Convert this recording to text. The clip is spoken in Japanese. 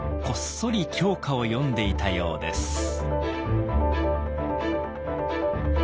こっそり狂歌を詠んでいたようです。